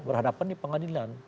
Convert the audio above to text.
berhadapan di pengadilan